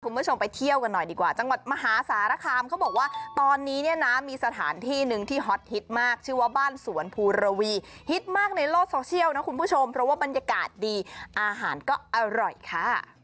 คุณผู้ชมไปเที่ยวกันหน่อยดีกว่าจังหวัดมหาสารคามเขาบอกว่าตอนนี้เนี่ยนะมีสถานที่หนึ่งที่ฮอตฮิตมากชื่อว่าบ้านสวนภูระวีฮิตมากในโลกโซเชียลนะคุณผู้ชมเพราะว่าบรรยากาศดีอาหารก็อร่อยค่ะ